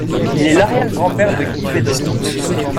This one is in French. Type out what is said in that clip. Il est l'arrière grand père de Guy Bedos.